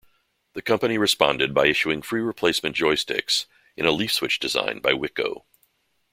The company responded by issuing free replacement joysticks in a leaf-switch design by Wico.